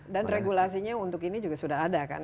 dan regulasinya untuk ini juga sudah ada kan